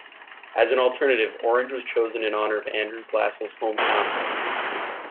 As an alternative, Orange was chosen in honor of Andrew Glassell's home county.